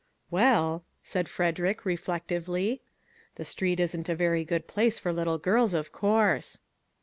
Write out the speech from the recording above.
"Well," said Frederick, reflectively, "the street isn't a very good place for little girls, of course."